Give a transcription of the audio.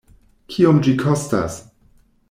Kiom ĝi kostas?